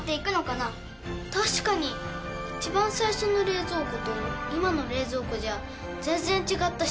確かに一番最初の冷蔵庫と今の冷蔵庫じゃ全然違ったし。